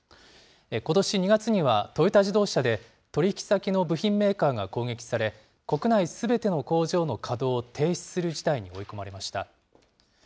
ことし２月には、トヨタ自動車で取り引き先の部品メーカーが攻撃され、国内すべての工場の稼働を停止する事態に追い込まれました。